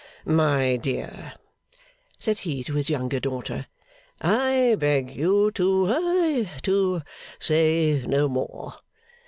'My dear,' said he to his younger daughter, 'I beg you to ha to say no more.